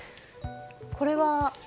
これは？